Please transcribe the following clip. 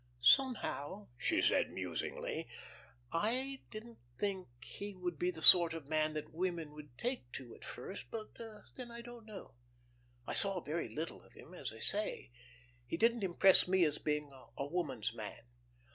Somehow," she said, musingly, "I didn't think he would be the sort of man that women would take to, at first but then I don't know. I saw very little of him, as I say. He didn't impress me as being a woman's man."